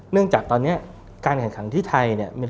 จากตอนนี้การแข่งขันที่ไทยเนี่ย